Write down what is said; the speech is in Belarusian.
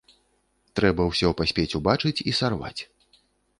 Трэба ўсё паспець убачыць і сарваць.